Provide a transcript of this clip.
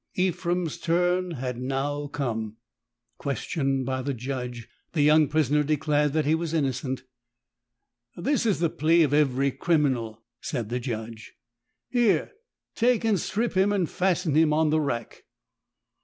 Ephrem's turn had now come. Questioned by the judge, the young prisoner declared that he was innocent. "This is the plea of every criminal,'' said the judge. "Here, take and strip him and fasten him on the rack."